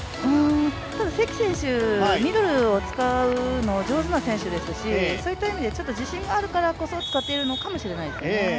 ただ関選手、ミドルを使うのが上手な選手ですしそういった意味で、自信があるからこそ、使っているのかもしれないですね。